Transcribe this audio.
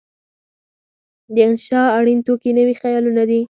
د انشأ اړین توکي نوي خیالونه دي.